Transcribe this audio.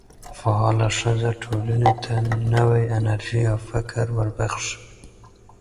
فعاله ښځې ټولنې ته نوې انرژي او فکر وربخښي.